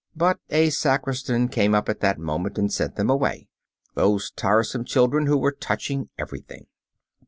But a sacristan came up at that moment and sent away "those tiresome children who were touching everything."